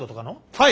はい！